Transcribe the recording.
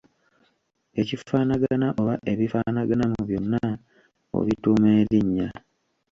Ekifaanagana oba ebifaanagana mu byonna obituuma erinnya.